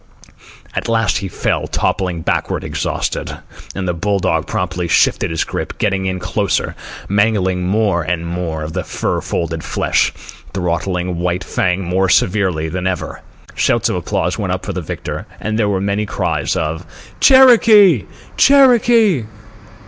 At last he fell, toppling backward, exhausted; and the bull dog promptly shifted his grip, getting in closer, mangling more and more of the fur folded flesh, throttling White Fang more severely than ever. Shouts of applause went up for the victor, and there were many cries of "Cherokee!" "Cherokee!"